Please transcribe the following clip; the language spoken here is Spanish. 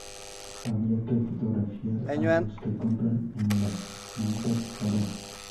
habría que fotografiar a los que compran en las mantas para